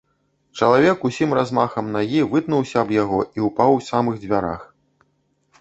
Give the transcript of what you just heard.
Чалавек усім размахам нагі вытнуўся аб яго і ўпаў у самых дзвярах.